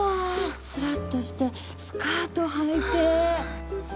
すらっとしてスカートはいて。